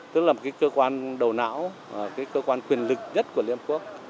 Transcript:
tức là một cơ quan đầu não cái cơ quan quyền lực nhất của liên hợp quốc